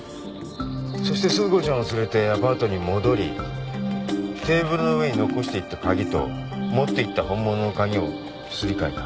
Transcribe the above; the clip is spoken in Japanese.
そして鈴子ちゃんを連れてアパートに戻りテーブルの上に残していった鍵と持っていた本物の鍵をすり替えた。